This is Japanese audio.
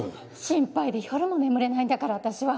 心配で夜も眠れないんだから私は。